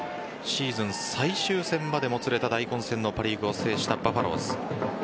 シーズン最終戦までもつれた大混戦のパ・リーグを制したバファローズ。